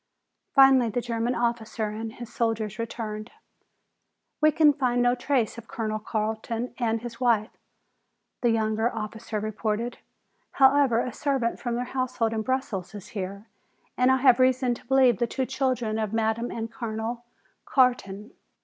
Finally the German officer and his soldiers returned. "We can find no trace of Colonel Carton or his wife," the younger officer reported. "However, a servant from their household in Brussels is here and I have reason to believe the two children of Madame and Colonel Carton."